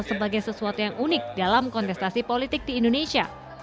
sebagai sesuatu yang unik dalam kontestasi politik di indonesia